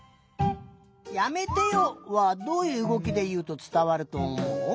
「やめてよ」はどういううごきでいうとつたわるとおもう？